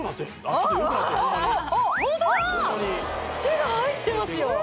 手が入ってますよ